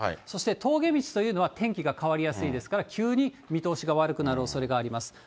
そして、峠道というのは天気が変わりやすいですから、急に見通しが悪くなるおそれがあります。